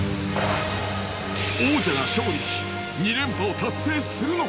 王者が勝利し２連覇を達成するのか？